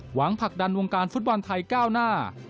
ผลักดันวงการฟุตบอลไทยก้าวหน้า